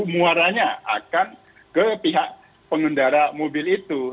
muaranya akan ke pihak pengendara mobil itu